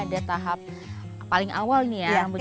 ada tahap paling awal nih ya bu ciko